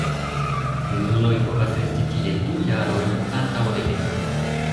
Junuloj povas resti tie du jarojn antaŭ reveno.